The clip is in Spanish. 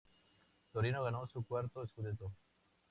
Torino ganó su cuarto "scudetto".